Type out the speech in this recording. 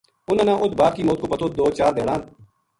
اُنھاں نا اُت باپ کی موت کو پتو دو چار دھیاڑاں